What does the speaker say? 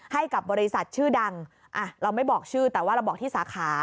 ให้กับบริษัทชื่อดังอ่ะเราไม่บอกชื่อแต่ว่าเราบอกที่สาขา